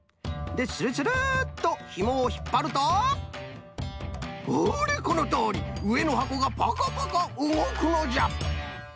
でスルスルっとひもをひっぱるとほれこのとおり！うえのはこがパカパカうごくのじゃ！